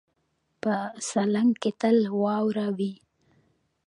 په سالنګ کې تل واوره وي.